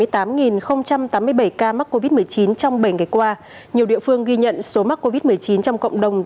tăng ca mắc covid một mươi chín trong bảy ngày qua nhiều địa phương ghi nhận số mắc covid một mươi chín trong cộng đồng